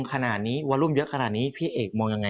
ขนาดนี้วอลุ่มเยอะขนาดนี้พี่เอกมองยังไง